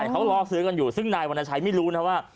เขาล่อซื้อกันอยู่ซึ่งนายวรรณชัยไม่รู้นะว่า